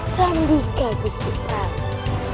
sambil kagus tifra